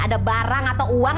ada barang atau uang